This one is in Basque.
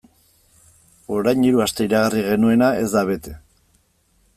Orain hiru aste iragarri genuena ez da bete.